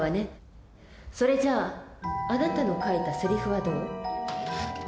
それじゃあなたの書いたせりふはどう？